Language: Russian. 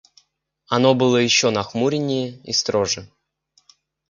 Оно было еще нахмуреннее и строже.